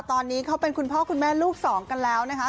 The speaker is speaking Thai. ตอนนี้เขาเป็นคุณพ่อคุณแม่ลูกสองกันแล้วนะคะ